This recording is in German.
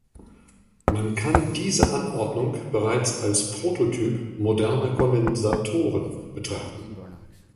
Man kann diese Anordnung bereits als Prototyp moderner Kondensatoren betrachten.